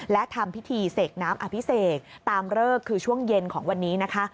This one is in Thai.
และทำพิธีเสกน้ำอภิเษกตามเลิกคือช่วงเย็นของวันนี้นะคะ